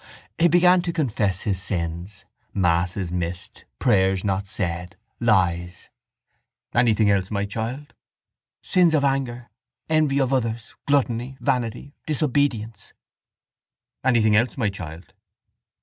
He began to confess his sins: masses missed, prayers not said, lies. —Anything else, my child? Sins of anger, envy of others, gluttony, vanity, disobedience. —Anything else, my child?